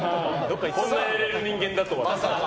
こんなやれる人間だとは。